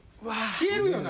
消えるよな？